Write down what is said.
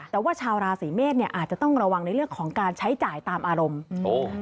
แต่ว่าชาวราศีเมษเนี่ยอาจจะต้องระวังในเรื่องของการใช้จ่ายตามอารมณ์โอ้